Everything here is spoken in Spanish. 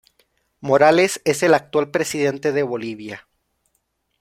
Morales es el actual presidente de Bolivia.